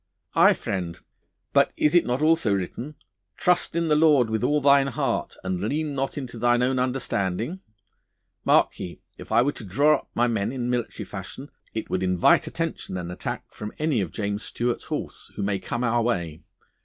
'Aye, friend, but is it not also written, "Trust in the Lord with all thine heart, and lean not unto thine own understanding!" Mark ye, if I were to draw up my men in military fashion it would invite attention and attack from any of James Stuart's horse who may come our way.